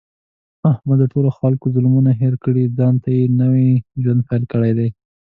احمد د ټولو خلکو ظلمونه هېر کړي، ځانته یې نوی ژوند پیل کړی دی.